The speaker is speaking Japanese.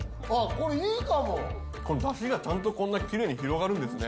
これいいかもこのだしがちゃんとこんなきれいに広がるんですね